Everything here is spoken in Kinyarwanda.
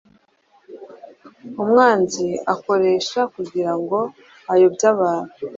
umwanzi akoresha kugira ngo ayobye abantu.